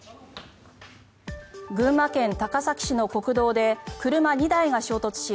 群馬県高崎市の国道で車２台が衝突し